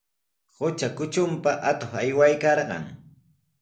Qutra kutrunpa atuq aywaykarqan.